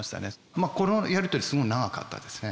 まあこのやり取りすごい長かったですね。